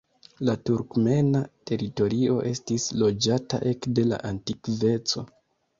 La turkmena teritorio estis loĝata ekde la antikveco.